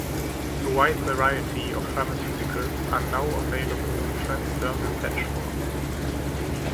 A wide variety of pharmaceuticals are now available in transdermal patch form.